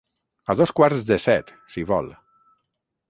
A dos quarts de set, si vol.